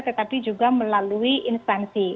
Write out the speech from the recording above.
tetapi juga melalui instansi